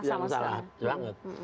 yang salah sama sekali